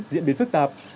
diễn biến phức tạp